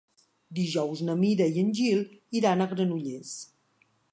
Dijous na Mira i en Gil iran a Granollers.